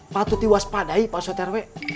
patut diwaspadai pak sotarwe